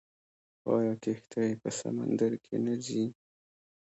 آیا کښتۍ په سمندر کې نه ځي؟